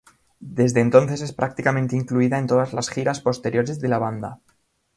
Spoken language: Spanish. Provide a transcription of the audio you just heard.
Desde entonces es prácticamente incluida en todas las giras posteriores de la banda.